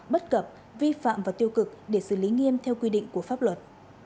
bất cập vi phạm và tiêu cực để xử lý nghiêm theo quy định của pháp luật